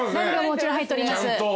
もちろん入っております。